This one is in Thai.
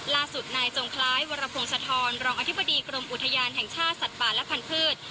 ล่าสุดนายจงคล้ายวรพงศธรรองอธิบดีกรมอุทยานแห่งชาติสัตว์ป่าและพันธุ์